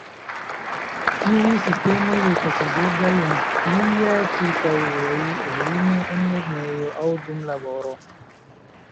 Tiuj sistemoj estas uzeblaj en plia ĉirkaŭoj, hejme, en lernejo, aŭ dum laboro.